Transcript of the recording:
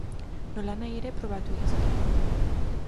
Nolanahi ere, probatu egin zuten.